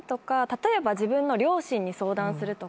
例えば自分の両親に相談するとか。